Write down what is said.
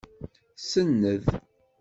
Senned.